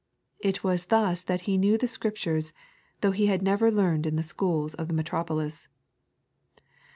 It was thus that He knew the Scriptures, though He had never learned in the schools of the metropolis.